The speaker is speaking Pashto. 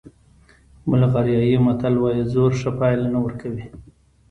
بلغاریایي متل وایي زور ښه پایله نه ورکوي.